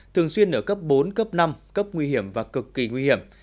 thường xuyên ở cấp bốn cấp năm cấp nguy hiểm và cực kỳ nguy hiểm